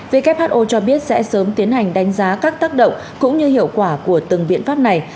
who cho biết sẽ sớm tiến hành đánh giá các tác động cũng như hiệu quả của từng biện pháp này